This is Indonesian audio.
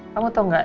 kamu tau nggak